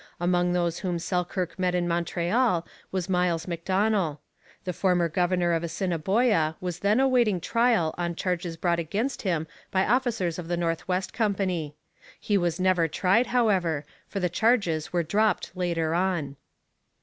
Among those whom Selkirk met in Montreal was Miles Macdonell. The former governor of Assiniboia was then awaiting trial on charges brought against him by officers of the North West Company. He was never tried, however, for the charges were dropped later on.